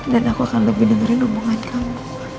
dan aku akan lebih dengerin hubungan kamu